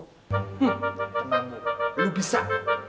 teman teman lo bisa